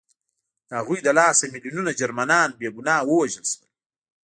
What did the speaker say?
د هغوی له لاسه میلیونونه جرمنان بې ګناه ووژل شول